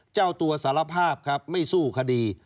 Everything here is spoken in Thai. เจ้าตัวสารภาพครับไม่สู้คดี